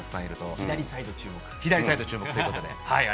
左サイド注目ということで。